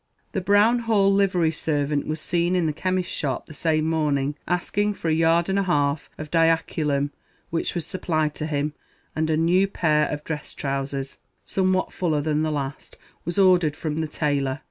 The Brown Hall livery servant was seen in the chemist's shop the same morning, asking for a yard and a half of diaculum, which was supplied to him; and a new pair of dress trousers, somewhat fuller than the last, was ordered from the tailor.